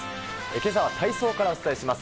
けさは体操からお伝えします。